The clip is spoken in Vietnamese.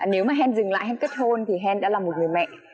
nếu mà hèn dừng lại hèn kết hôn thì hèn đã là một người mẹ